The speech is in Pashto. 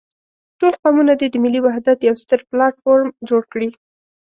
ټول قومونه دې د ملي وحدت يو ستر پلاټ فورم جوړ کړي.